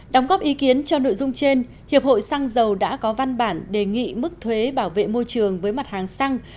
đóng góp ý kiến cho nội dung trên hiệp hội xăng dầu đã có văn bản đề nghị mức thuế bảo vệ môi trường với mặt hàng xăng